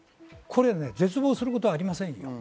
絶望することはありません。